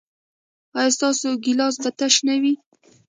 ایا ستاسو ګیلاس به تش نه وي؟